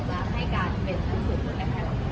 และก็จะให้การเปลี่ยนฟันสรุปกันได้แค่แล้ว